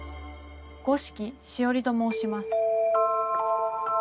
五色しおりと申します。